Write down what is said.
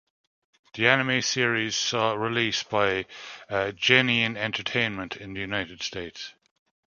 The anime series saw release by Geneon Entertainment in the United States.